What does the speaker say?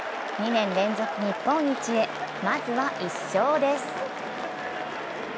２年連続日本一へ、まずは１勝です。